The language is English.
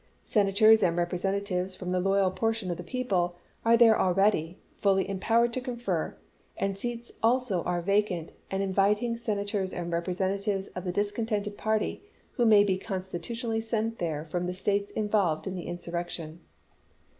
Senators and Representatives from the loyal portion of the people are there already, fully empowered to confer; and seats also are vacant, and inviting Senators and Representatives of the discontented party who may be constitutionally sent there from the States involved in the insur rection.